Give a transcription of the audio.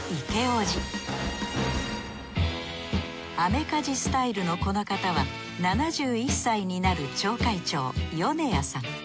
アメカジスタイルのこの方は７１歳になる町会長米谷さん。